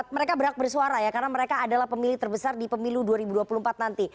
mereka berhak bersuara ya karena mereka adalah pemilih terbesar di pemilu dua ribu dua puluh empat nanti